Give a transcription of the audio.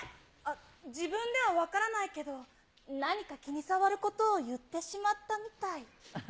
自分では分からないけど、何か気にさわることを言ってしまったみたい。